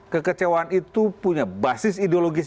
kekecewaan itu punya basis ideologis